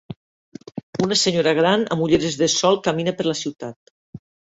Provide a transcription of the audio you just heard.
Una senyora gran amb ulleres de sol camina per la ciutat.